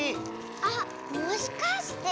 あっもしかして？